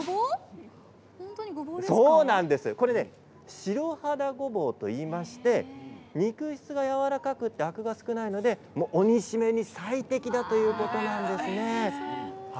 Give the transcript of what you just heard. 白肌ごぼうといいまして肉質がやわらかくてアクが少ないので、お煮しめに最適だそうです。